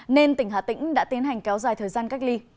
nên tỉnh hà tĩnh đã tiến hành kéo dài thời gian cách ly